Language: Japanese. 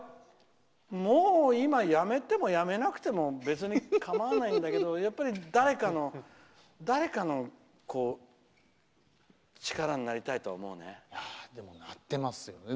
もう今やめてもやめなくても構わないんだけどやっぱり誰かの力になりたいとはなってますよ。